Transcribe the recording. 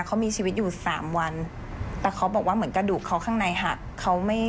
เขามีชีวิตอยู่สามวันแต่เขาบอกว่าเหมือนกระดูกเขาข้างในหักเขาไม่